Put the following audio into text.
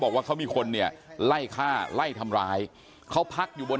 บอกว่าเขามีคนเนี่ยไล่ฆ่าไล่ทำร้ายเขาพักอยู่บน